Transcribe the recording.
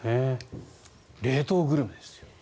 冷凍グルメですよ。